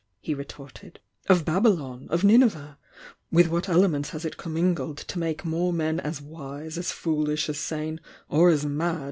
he retorted Of Babylon? Of Nmeveh? With what elements has It commingled to make more men as wise as aw'S' rhT^i "'a'^ ""^^^?